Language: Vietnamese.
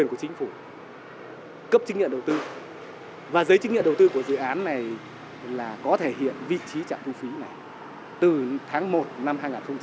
là có thể hiện vị trí trạm thu phí này từ tháng một năm hai nghìn chín